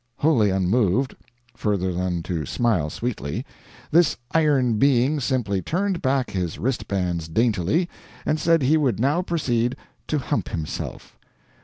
Wholly unmoved further than to smile sweetly this iron being simply turned back his wrist bands daintily, and said he would now proceed to hump himself.